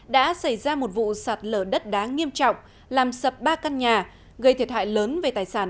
đã xảy ra một vụ sạt lở đất đáng nghiêm trọng làm sập ba căn nhà gây thiệt hại lớn